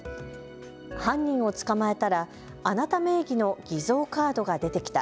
犯人を捕まえたらあなた名義の偽造カードが出てきた。